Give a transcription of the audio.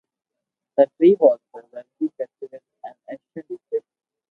The tree was probably cultivated in ancient Egypt.